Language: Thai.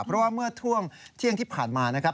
เพราะว่าเมื่อช่วงเที่ยงที่ผ่านมานะครับ